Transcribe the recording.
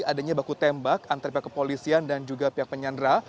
adanya baku tembak antara pihak kepolisian dan juga pihak penyandra